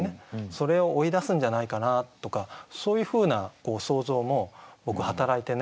それを追いだすんじゃないかなとかそういうふうな想像も僕働いてね